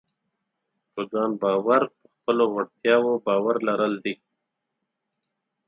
په ځان باور په خپلو وړتیاوو باور لرل دي.